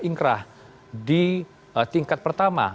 ingrah di tingkat pertama